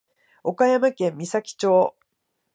岡山県美咲町